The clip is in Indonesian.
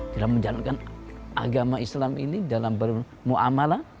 dalam menjalankan agama islam ini dalam bermu'amalah